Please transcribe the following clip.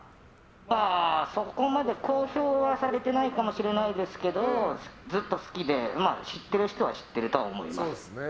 まあ、そこまで公表はされてないかもしれないですけどずっと好きで、知ってる人は知ってると思います。